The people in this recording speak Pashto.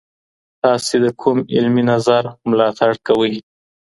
تاسي د کوم علمي نظر ملاتړ کوئ؟